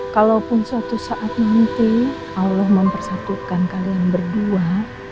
kalaupun suatu saat nanti allah mempersatukan kalian berdua